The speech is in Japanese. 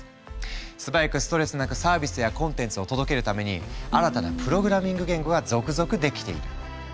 素早くストレスなくサービスやコンテンツを届けるために新たなプログラミング言語が続々出来ている。